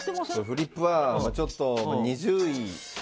フリップはちょっと２０位。